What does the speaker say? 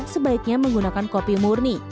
sebaiknya menggunakan kopi murni